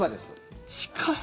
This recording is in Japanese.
近い。